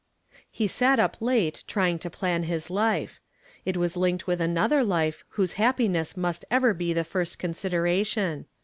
He sat up late trying to plan his life. It was linked with another life whose happiness must ever he his first consideration.